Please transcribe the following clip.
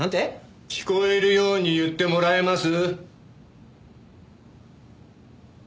聞こえるように言ってもらえます？